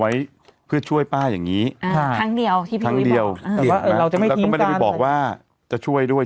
ไว้เพื่อช่วยป้าอย่างงี้ทั้งเดียวทีทั้งเดียวเราไม่ไปบอกว่าจะช่วยด้วย